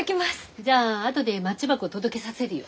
じゃああとでマッチ箱届けさせるよ。